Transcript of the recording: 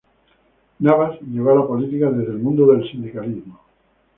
Navas llegó a la política desde el mundo del sindicalismo.